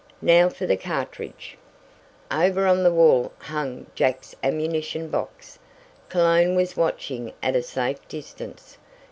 "Now for the cartridge." Over on the wall hung Jack's ammunition box. Cologne was watching at a safe distance.